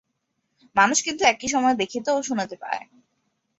মানুষ কিন্তু একই সময়ে দেখিতে ও শুনিতে পায়।